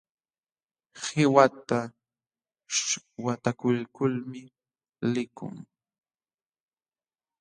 Qiwata shwatakuykulmi likun.